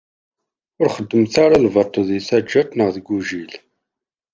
Ur xeddmet ara lbaṭel di taǧǧalt neɣ deg ugujil.